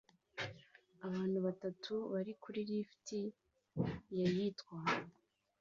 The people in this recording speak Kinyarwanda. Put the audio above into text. Abantu batatu bari kuri lift yayitwa